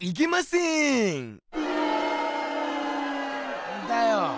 っんだよ。